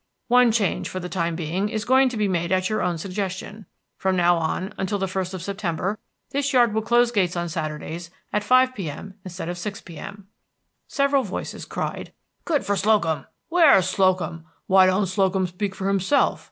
One change, for the time being, is going to be made at our own suggestion. From now, until the 1st of September, this yard will close gates on Saturdays at five P.M. instead of six P.M." Several voices cried, "Good for Slocum!" "Where's Slocum?" "Why don't Slocum speak for himself?"